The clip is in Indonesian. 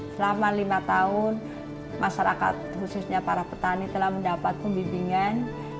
selama lima tahun masyarakat khususnya para petani telah mendapat pembimbingan